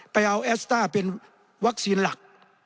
ไปเอาแอสต้าเป็นวัคซีนหลัก